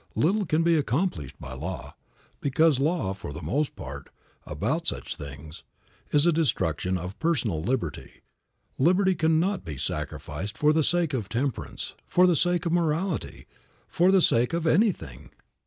Little can be accomplished by law, because law, for the most part, about such things, is a destruction of personal liberty. Liberty cannot be sacrificed for the sake of temperance, for the sake of morality, or for the sake of anything.